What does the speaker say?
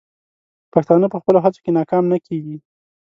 پښتانه په خپلو هڅو کې ناکام نه کیږي.